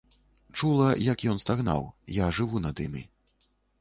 Чула, як ён стагнаў, я жыву над імі.